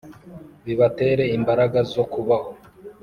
bibatere imbaraga zo kubaho.